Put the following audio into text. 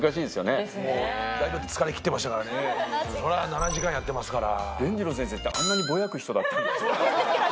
７時間やってますから。